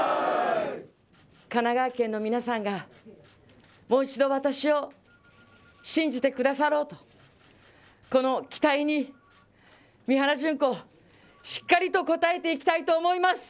神奈川県の皆さんがもう一度、私を信じてくださろうとこの期待に三原じゅん子、しっかりと応えていきたいと思います。